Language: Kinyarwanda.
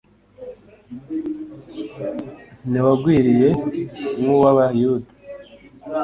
ntiwagwiriye nk uw Abayuda